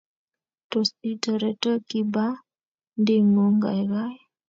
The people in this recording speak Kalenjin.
Tos itoretoo kibandingung kaikai?